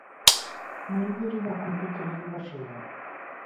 ملګری د همفکرۍ نښه ده